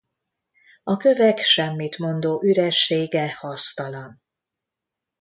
A kövek semmit mondó üressége hasztalan.